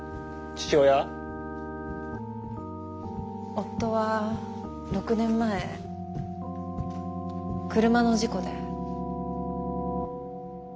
夫は６年前車の事故で。